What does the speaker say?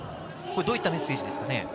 どういったメッセージですかね？